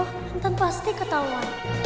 nanti pasti ketawa